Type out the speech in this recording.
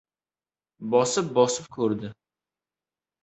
Bosib-bosib ko‘rdi.